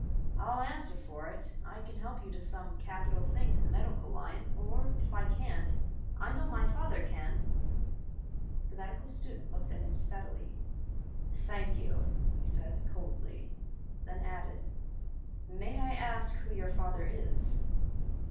I'll answer for it I can help you to some capital thing in the medical line, or, if I can't, I know my father can." The medical student looked at him steadily. "Thank you," he said, coldly; then added, "May I ask who your father is?"